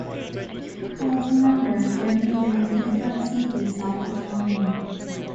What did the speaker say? All the members were living in different cities at the time.